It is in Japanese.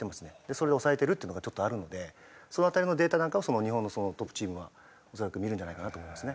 それで抑えてるっていうのがちょっとあるのでその辺りのデータなんかを日本のトップチームは恐らく見るんじゃないかなと思いますね。